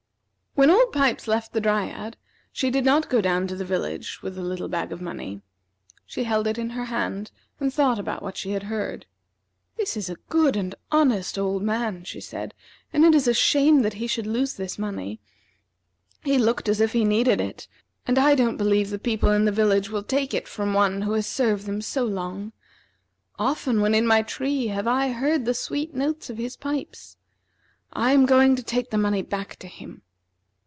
When Old Pipes left the Dryad, she did not go down to the village with the little bag of money. She held it in her hand, and thought about what she had heard. "This is a good and honest old man," she said; "and it is a shame that he should lose this money. He looked as if he needed it, and I don't believe the people in the village will take it from one who has served them so long. Often, when in my tree, have I heard the sweet notes of his pipes. I am going to take the money back to him."